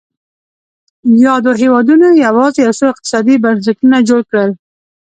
یادو هېوادونو یوازې یو څو اقتصادي بنسټونه جوړ کړل.